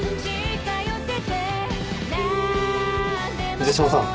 ・水島さん